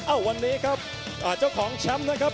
วันนี้ครับเจ้าของแชมป์นะครับ